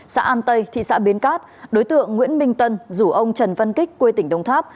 xã an tây thị xã bến cát đối tượng nguyễn minh tân rủ ông trần văn kích quê tỉnh đồng tháp